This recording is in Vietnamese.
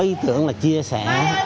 ý tưởng là chia sẻ